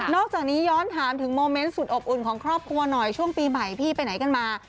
อกจากนี้ย้อนถามถึงโมเมนต์สุดอบอุ่นของครอบครัวหน่อยช่วงปีใหม่พี่ไปไหนกันมา